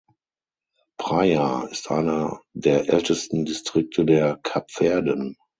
Praia ist einer der ältesten Distrikte der Kapverden.